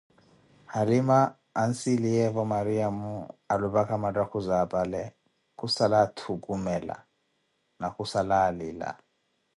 Halima anssiliyevo Mariamo alupaka mathakhuzi apale khussala attukumela na khussala alila